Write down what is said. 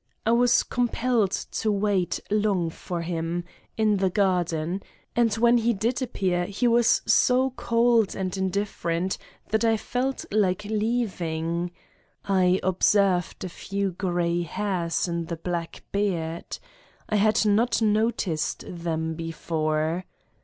I was com pelled to wait long for him, in the garden, and when he did appear he was so cold and indif ferent that I felt like leaving. I observed a few gray hairs in his black beard. I had not no ticed them before.